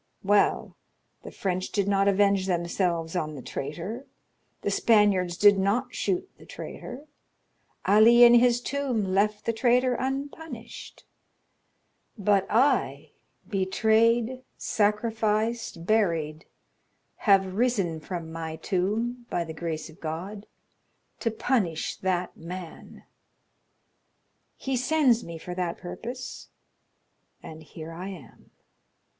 Well, the French did not avenge themselves on the traitor, the Spaniards did not shoot the traitor, Ali in his tomb left the traitor unpunished; but I, betrayed, sacrificed, buried, have risen from my tomb, by the grace of God, to punish that man. He sends me for that purpose, and here I am."